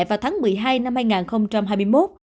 vào tháng một mươi hai năm hai nghìn hai mươi một